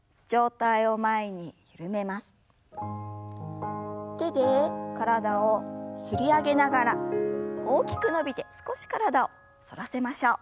手で体を擦り上げながら大きく伸びて少し体を反らせましょう。